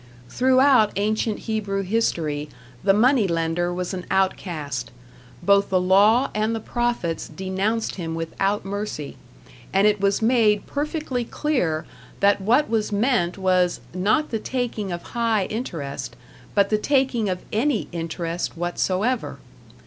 Throughout ancient Hebrew history the money lender was an outcast; both the law and the prophets denounced him without mercy, and it was made perfectly clear that what was meant was, not the taking of high interest, but the taking of any interest whatsoever.